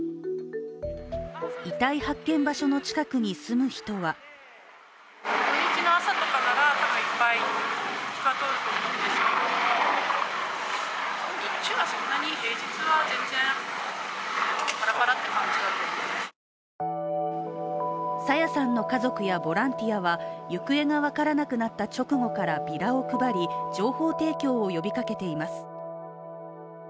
遺体発見場所の近くに住む人は朝芽さんの家族やボランティアは行方が分からなくなった直後からビラを配り、情報提供を呼びかけています。